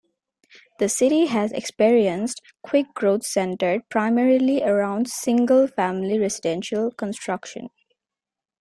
The city has experienced quick growth centered primarily around single-family residential construction.